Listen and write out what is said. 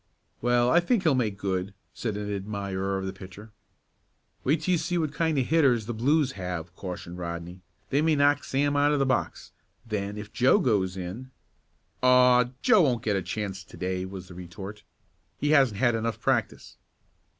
"Well, I think he'll make good," said an admirer of the pitcher. "Wait until you see what kind of hitters the Blues have," cautioned Rodney. "They may knock Sam out of the box. Then if Joe goes in " "Aw, Joe won't get a chance to day," was the retort. "He hasn't had enough practice."